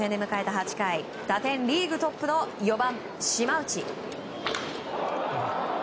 ８回打点リーグトップの４番、島内。